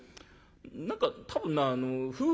何か多分なあの夫婦